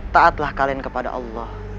taatlah kalian kepada allah